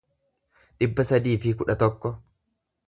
dhibba sadii fi kudha tokko